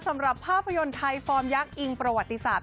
สำหรับภาพยนตร์ไทยฟอร์มยักษ์อิงประวัติศาสต